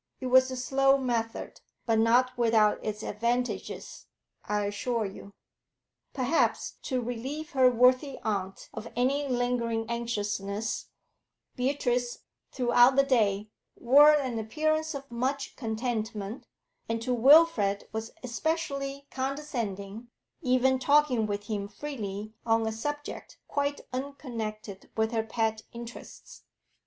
It was a slow method, but not without its advantages, I assure you. Perhaps to relieve her worthy aunt of any lingering anxiousness, Beatrice, throughout the day, wore an appearance of much contentment, and to Wilfrid was especially condescending, even talking with him freely on a subject quite unconnected with her pet interests.